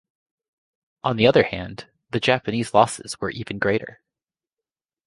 On the other hand, the Japanese losses were even greater.